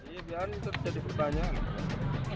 ia biar jadi berbanyak